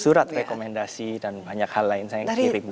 surat rekomendasi dan banyak hal lain saya kirim